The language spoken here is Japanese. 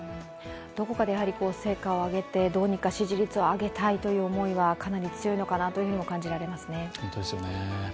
どこでやはり成果を挙げてどうにか支持率を上げたいという思いはかなり強いのかなというふうにも感じられますよね。